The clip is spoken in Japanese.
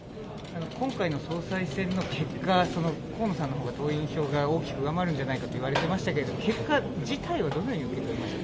今回の総裁選の結果、河野さんの方が党員票が大きく上回るんじゃないかと言われていましたが、結果自体はどう受け止めていますか？